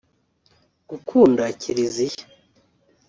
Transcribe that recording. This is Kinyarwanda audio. gukunda Kiliziya